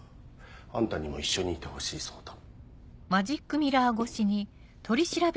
あんたにも一緒にいてほしいそうだ。